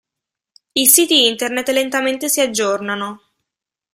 I siti internet lentamente si aggiornano.